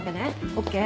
ＯＫ。